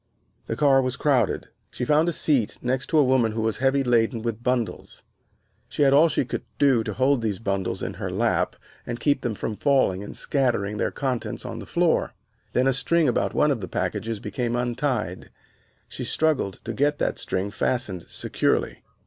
The car was crowded. She found a seat next to a woman who was heavily laden with bundles. She had all she could do to hold those bundles in her lap and keep them from falling and scattering their contents on the floor. Then a string about one of the packages became untied. She struggled to get that string fastened securely.